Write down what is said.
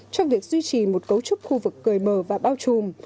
trong việc duy trì một cấu trúc khu vực cười mờ và bao trùm